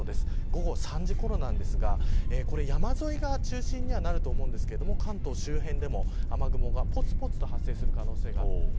午後３時ごろですが山沿いが中心にはなりますが関東周辺でも雨雲がぽつぽつと発生する可能性があります。